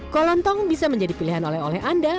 kolontong bisa menjadi pilihan oleh oleh anda